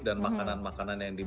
dan makanan makanan yang dibuat